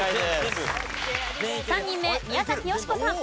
３人目宮崎美子さん。